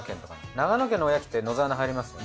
長野県のおやきって野沢菜入りますよね。